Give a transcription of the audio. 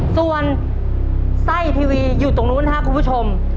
ส่วนไส้ทีวีอยู่ตรงนู้นครับคุณผู้ชม